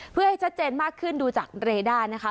เพื่อให้ชัดเจนมากขึ้นดูจากเรด้านะคะ